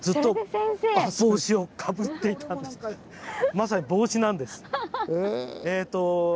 まさに帽子なんです。